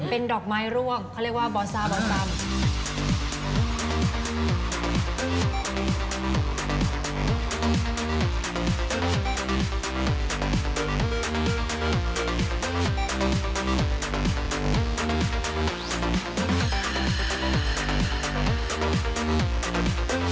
เป็นดอกไม้ร่วงเขาเรียกว่าบอซาบอนตำ